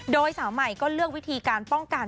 โดยสาวใหม่ก็เลือกวิธีการป้องกัน